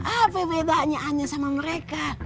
apa bedanya hanya sama mereka